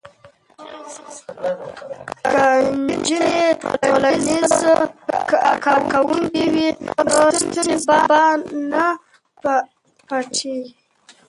که نجونې ټولنیزې کارکوونکې وي نو ستونزې به نه پټیږي.